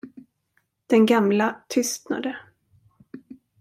Den gamla tystnade.